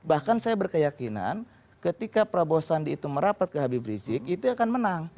bahkan saya berkeyakinan ketika prabowo sandi itu merapat ke habib rizik itu akan menang